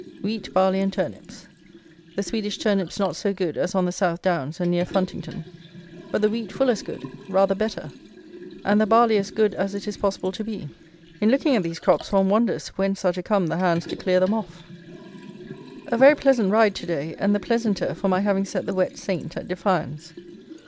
Wheat, barley, and turnips. The Swedish turnips not so good as on the South Downs and near Funtington; but the wheat full as good, rather better; and the barley as good as it is possible to be. In looking at these crops one wonders whence are to come the hands to clear them off. A very pleasant ride to day; and the pleasanter for my having set the wet Saint at defiance.